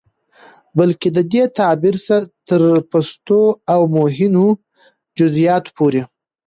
بلکې د دې تعبير تر پستو او مهينو جزيىاتو پورې